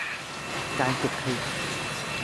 การเก็บขยะ